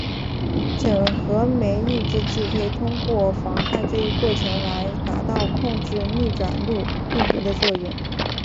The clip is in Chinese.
整合酶抑制剂可以通过妨害这一过程来达到控制逆转录病毒的作用。